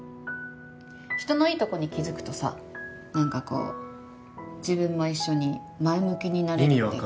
人のいいとこに気付くとさ何かこう自分も一緒に前向きになれるっていうかさ。